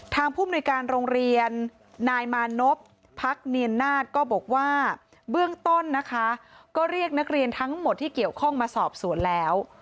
ผู้มนุยการโรงเรียนนายมานพพักเนียนนาฏก็บอกว่าเบื้องต้นนะคะก็เรียกนักเรียนทั้งหมดที่เกี่ยวข้องมาสอบสวนแล้ว